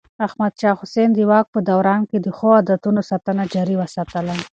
احمد شاه حسين د واک په دوران کې د ښو عادتونو ساتنه جاري وساتله.